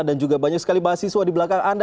dan juga banyak sekali bahas siswa di belakang anda